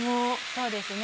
そうですね。